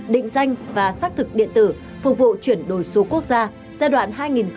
định danh và xác thực điện tử phục vụ chuyển đổi số quốc gia giai đoạn hai nghìn hai mươi một hai nghìn hai mươi năm